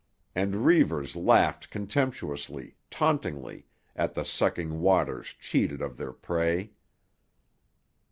And Reivers laughed contemptuously, tauntingly, at the sucking waters cheated of their prey.